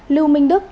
lưu minh đức